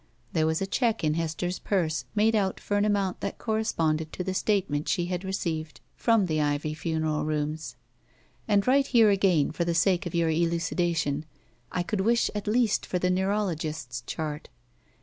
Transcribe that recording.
There was a check in Hester's purse made out for an amoimt that corresponded to the statement she had received from the Ivy Funeral Rooms. And right here again, for the sake of your elucidation, I could wish at least for the neurolo gist's chart.